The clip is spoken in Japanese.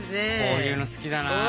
こういうの好きだなあ。